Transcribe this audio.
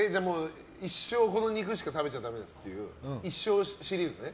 一生、この肉しか食べちゃダメですっていう一生シリーズね。